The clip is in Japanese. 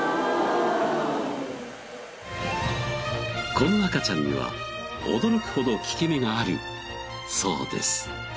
この赤ちゃんには驚くほど効き目があるそうです。